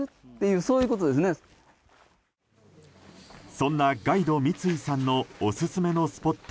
そんなガイド、密井さんのオススメのスポット